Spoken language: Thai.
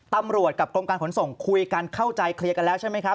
ตำรวจกับกรมการขนส่งคุยกันเข้าใจเคลียร์กันแล้วใช่ไหมครับ